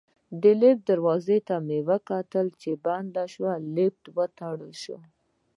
د لفټ دروازې ته مې کتل چې بنده شوې، لفټ وتړل شو.